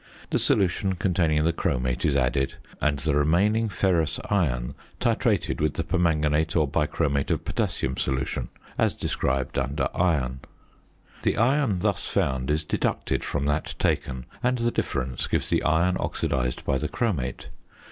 The solution containing the chromate is added, and the remaining ferrous iron titrated with the permanganate or bichromate of potassium solution, as described under Iron. The iron thus found is deducted from that taken, and the difference gives the iron oxidised by the chromate.